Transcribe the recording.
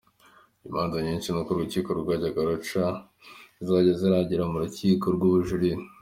Imanza nyinshi urwo rukiko rwajyaga ruca zizajya zirangirira mu Rukiko rw’Ubujurire.